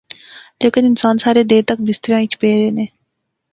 لیکن انسان سارے دیر تک بستریاں اچ پے رہنے